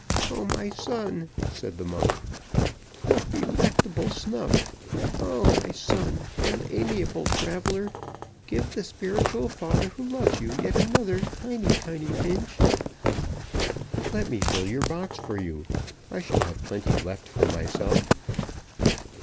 "Oh, my son," said the monk, "what delectable snuff! Oh, my son and amiable traveler, give the spiritual father who loves you yet another tiny, tiny pinch!" "Let me fill your box for you. I shall have plenty left for myself."